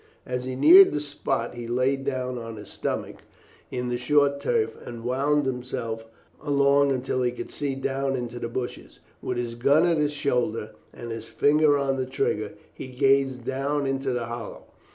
As he neared the spot he lay down on his stomach in the short turf and wound himself along until he could see down into the bushes. With his gun at his shoulder, and his finger on the trigger, he gazed down into the hollow.